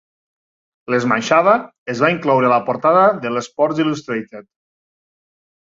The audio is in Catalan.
L'esmaixada es va incloure a la portada de l'"Sports Illustrated".